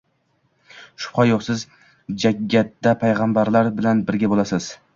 Shubha yo‘q, siz jaggatda payg‘ambarlar bilan birga bo‘lasiz